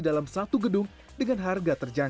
dalam perusahaan yang berkumpul dengan kemampuan dan kemampuan